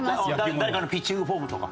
誰かのピッチングフォームとか。